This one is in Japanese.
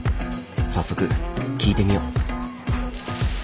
早速聞いてみよう。